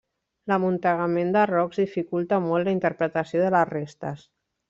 L'amuntegament de rocs dificulta molt la interpretació de les restes.